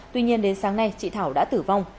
tuy nhiên đến sáng nay chị thảo đã tử vong